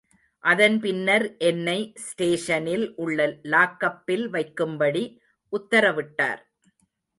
அதன் பின்னர் என்னை ஸ்டேஷனில் உள்ள லாக்கப்பில் வைக்கும்படி உத்தரவிட்டார்.